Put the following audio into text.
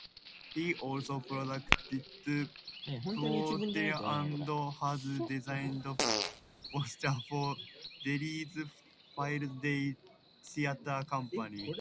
He also produced portraits and has designed posters for Derry's Field Day Theatre Company.